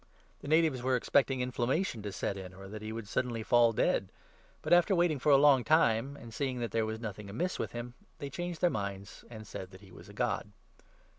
The natives were expecting inflammation to set in, or 6 that he would suddenly fall dead ; but, after waiting for a long time, and seeing that there was nothing amiss with him, they changed their minds and said that he was a God.